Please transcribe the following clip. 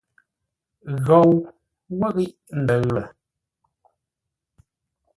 Ghou wə́ ghíʼ ndəʉ lə.